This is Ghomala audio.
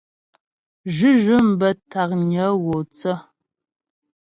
Zhʉ́zhʉ̂m bə́ ntǎknyə gho thə.